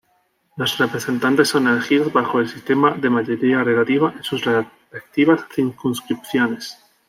Los representantes son elegidos bajo el sistema de mayoría relativa en sus respectivas circunscripciones.